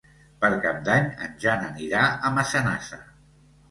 Per Cap d'Any en Jan anirà a Massanassa.